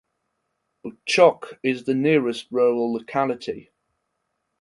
Bochokh is the nearest rural locality.